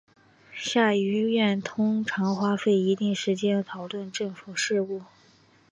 下议院通常花费一定时间讨论政府事务。